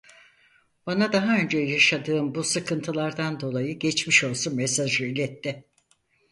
Bana daha önce yaşadığım bu sıkıntılardan dolayı geçmiş olsun mesajı iletti.